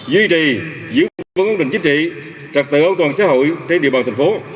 duy trì giữ vững vấn đề chính trị trạc tự ấu toàn xã hội trên địa bàn thành phố